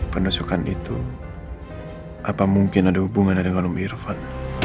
penusukan itu apa mungkin ada hubungannya dengan om irfan